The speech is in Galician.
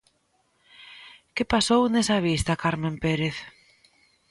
Que pasou nesa vista, Carmen Pérez?